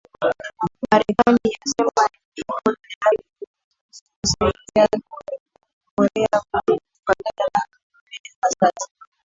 marekani yasema iko tayari kuisaidia korea kusini kuikabili korea kaskazini